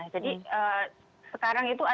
jadi sekarang itu ada yang berkata kata yang berkata kata